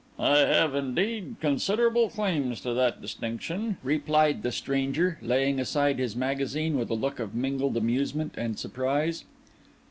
"I have indeed considerable claims to that distinction," replied the stranger, laying aside his magazine with a look of mingled amusement and surprise.